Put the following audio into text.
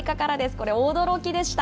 これ、驚きでした。